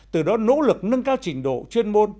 từ đó nỗ lực nâng cao trình độ chuyên môn